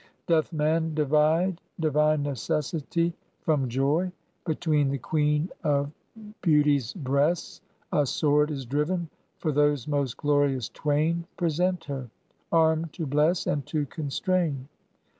Doth man divide divine Necessity From Joy, between the Queen of Beauty's breasts A sword is driven; for those most glorious twain Present her; armed to bless and to constrain.